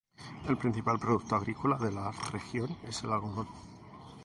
El principal producto agrícola de la región es el algodón.